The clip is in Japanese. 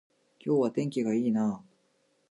今日は天気が良いなあ